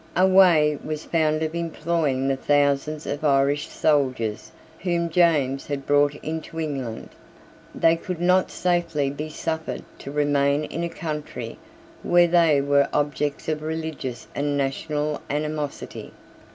A way was found of employing the thousands of Irish soldiers whom James had brought into England. They could not safely be suffered to remain in a country where they were objects of religious and national animosity.